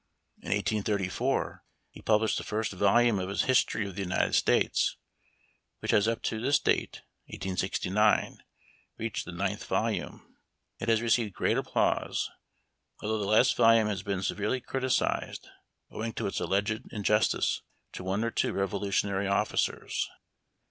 In 1S34 he published the first volume of his History of the United States, which has up to this date (1869) reached the ninth volume. It has received great applause, although the last volume has been severely criticised owing to its alleged injustice to one or two Revolutionary officers.